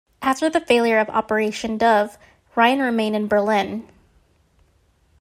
After the failure of Operation Dove, Ryan remained in Berlin.